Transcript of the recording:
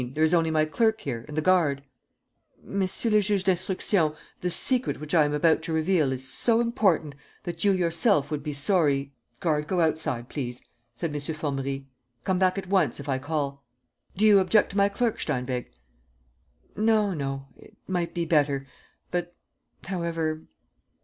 There is only my clerk here ... and the guard ..." "Monsieur le Juge d'Instruction, the secret which I am about to reveal is so important that you yourself would be sorry ..." "Guard, go outside, please," said M. Formerie. "Come back at once, if I call. Do you object to my clerk, Steinweg?" "No, no ... it might be better ... but, however